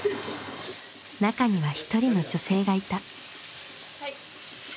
中には１人の女性がいた。